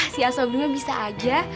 si aso berinya bisa aja